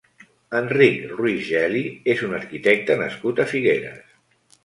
Enric Ruiz-Geli és un arquitecte nascut a Figueres.